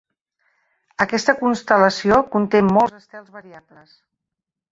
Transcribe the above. Aquesta constel·lació conté molts estels variables.